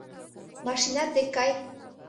Машинат дек кай.